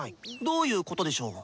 どういうことでしょう？